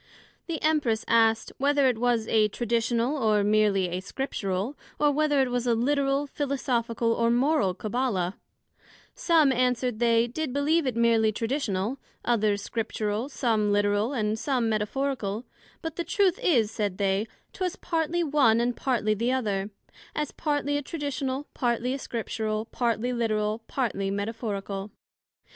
The Empress asked, Whether it was a Traditional, or meerly a Scriptural, or whether it was a Literal, Philosophical, or Moral Cabbala some, answered they, did believe it meerly Traditional, others Scriptural, some Literal, and some Metaphorical: but the truth is, said they, 'twas partly one, and partly the other; as partly a Traditional, partly a Scriptural, partly Literal, partly Metaphorical.